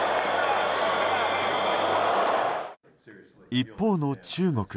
一方の中国。